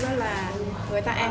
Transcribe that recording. đó là người ta ăn